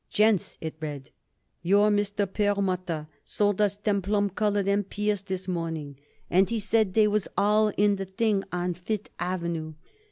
"Gents," it read. "Your Mr. Perlmutter sold us them plum color Empires this morning, and he said they was all the thing on Fifth Avenue.